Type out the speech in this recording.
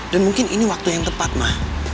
dan mungkin ini waktu yang tepat ma